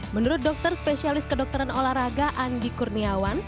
menurut dokter spesialis kedokteran olahraga andi kurniawan